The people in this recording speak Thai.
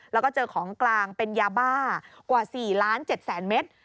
แล้วก็เจอของกลางเป็นยาบ้ากว่า๔๗๐๐๐เมตร